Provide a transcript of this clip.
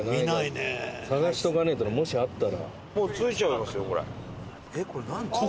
探しとかないとねもしあったら。